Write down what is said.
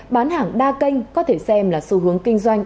bán hàng đa kênh có thể xem là xu hướng kinh doanh